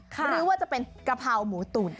หรือว่าจะเป็นกะเพราหมูตุ๋น